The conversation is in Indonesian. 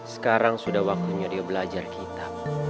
sekarang sudah waktunya dia belajar kita